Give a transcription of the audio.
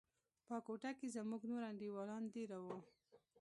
په کوټه کښې زموږ نور انډيوالان دېره وو.